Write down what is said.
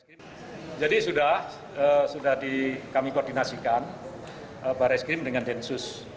ini sudah kami koordinasikan baris krim dengan densus